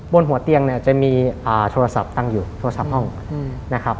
บนหัวเตียงเนี่ยจะมีโทรศัพท์ตั้งอยู่โทรศัพท์ห้องนะครับ